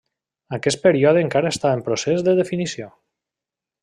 Aquest període encara està en procés de definició.